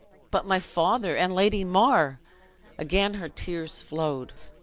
"But my father, and Lady Mar?" And again her tears flowed.